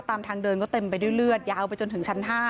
ตามทางเดินก็เต็มไปด้วยเลือดยาวไปจนถึงชั้น๕